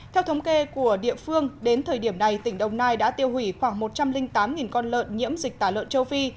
theo thống kê của địa phương đến thời điểm này tỉnh đồng nai đã tiêu hủy khoảng một trăm linh tám con lợn nhiễm dịch tả lợn châu phi